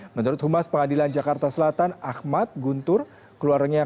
menurut humas pengadilan jakarta selatan ahmad guntur keluarganya yang keputusan